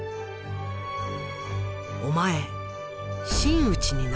「お前」